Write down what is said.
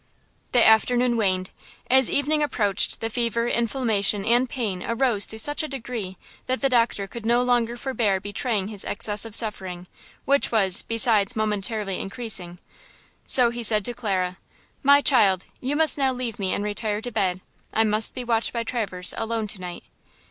The afternoon waned. As evening approached the fever, inflammation and pain arose to such a degree that the doctor could no longer forbear betraying his excessive suffering, which was, besides, momentarily increasing, so he said to Clara: "My child, you must now leave me and retire to bed. I must be watched by Traverse alone to night."